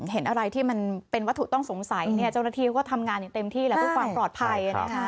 เห็นอะไรที่มันเป็นวัตถุต้องสงสัยเจ้าหน้าที่เขาก็ทำงานอย่างเต็มที่แหละเพื่อความปลอดภัย